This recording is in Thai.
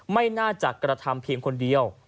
ไม่น่าจะกระทำเพียงคนเดียว